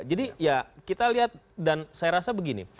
jadi ya kita lihat dan saya rasa begini